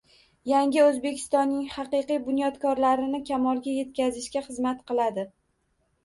Yangi O‘zbekistonning haqiqiy bunyodkorlarini kamolga yetkazishga xizmat qiladi.